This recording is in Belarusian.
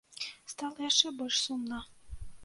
Стала яшчэ больш сумна.